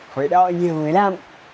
phải đó nhiều người lắm